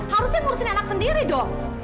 harusnya ngurusin anak sendiri dong